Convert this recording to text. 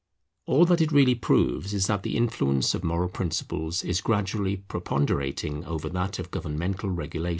All that it really proves is that the influence of moral principles is gradually preponderating over that of governmental regulations.